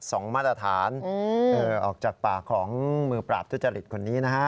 มาตรฐานออกจากปากของมือปราบทุจริตคนนี้นะฮะ